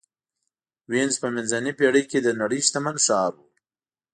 وینز په منځنۍ پېړۍ کې د نړۍ شتمن ښار و.